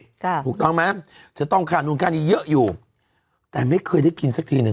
ถูกต้องไหมจะต้องค่านู้นค่านี้เยอะอยู่แต่ไม่เคยได้กินสักทีหนึ่ง